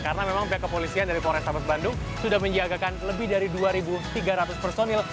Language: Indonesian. karena memang pihak kepolisian dari polres sabat bandung sudah menjagakan lebih dari dua tiga ratus personil